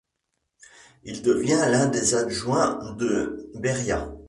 Il devient l'un des adjoints de Béria.